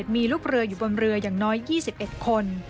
มีลูกเรืออยู่บนเรืออย่างน้อย๒๑คน